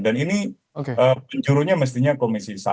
dan ini penjurunya mestinya komisi saat